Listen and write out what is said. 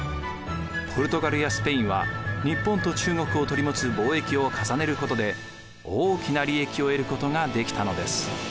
ポルトガルやスペインは日本と中国を取り持つ貿易を重ねることで大きな利益を得ることができたのです。